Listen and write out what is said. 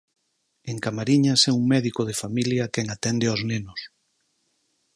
En Camariñas é un médico de familia quen atende aos nenos.